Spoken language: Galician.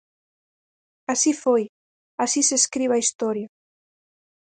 Así foi, así se escribe a historia.